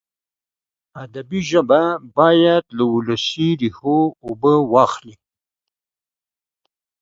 ادبي ژبه باید له ولسي ریښو اوبه واخلي.